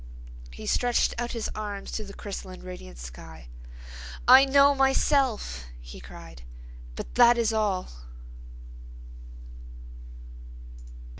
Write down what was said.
He stretched out his arms to the crystalline, radiant sky. "I know myself," he cried, "but that is all."